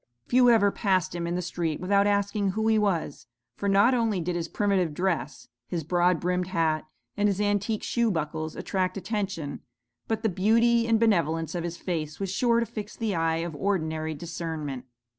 Few ever passed him in the street without asking who he was; for not only did his primitive dress, his broad brimmed hat, and his antique shoe buckles attract attention, but the beauty and benevolence of his face was sure to fix the eye of ordinary discernment.